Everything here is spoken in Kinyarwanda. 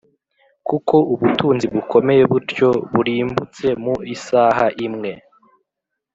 kuko ubutunzi bukomeye butyo burimbutse mu isaha imwe